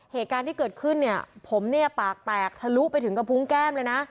เหตุการณ์ที่เกิดขึ้นเนี่ยผมเนี่ยปากแตกทะลุไปถึงกระพุงแก้มเลยนะ